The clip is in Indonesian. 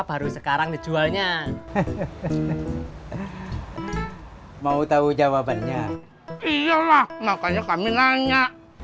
baru sekarang dijualnya mau tahu jawabannya iyalah makanya kami nanya